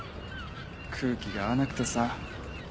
空気が合わなくてさ。